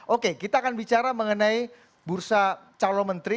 oke kita akan bicara mengenai bursa calon menteri